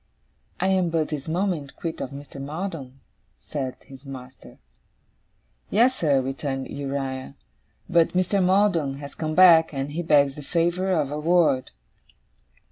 'I am but this moment quit of Mr. Maldon,' said his master. 'Yes, sir,' returned Uriah; 'but Mr. Maldon has come back, and he begs the favour of a word.